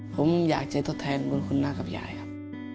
ผมอยากจะทดแทนบุญคุณหน้ากับยายครับ